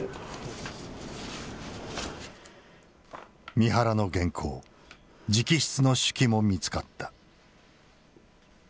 三原の原稿直筆の手記も見つかった。